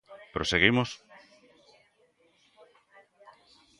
Proseguimos.